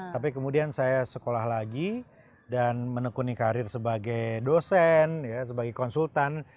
tapi kemudian saya sekolah lagi dan menekuni karir sebagai dosen sebagai konsultan